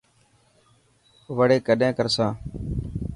وڙي ڪڏهن ڪر سان.